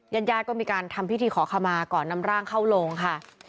ญาติญาติก็มีการทำพิธีขอขมาก่อนนำร่างเข้าโลงค่ะ